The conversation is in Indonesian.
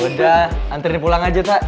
udah antri pulang aja tak